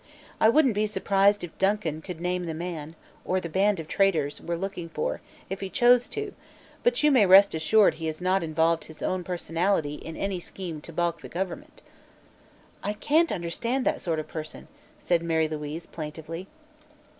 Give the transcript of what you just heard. I wouldn't be surprised if Duncan could name the man or the band of traitors we're looking for, if he chose to, but you may rest assured he has not involved his own personality in any scheme to balk the government." "I can't understand that sort of person," said Mary. Louise, plaintively.